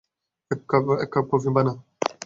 এক cup coffee বানা।